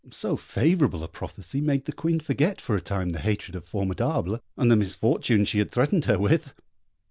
So favourable a prophecy made the Queen forget for a time the hatred of Formidable, and the misfortune she had threatened her with.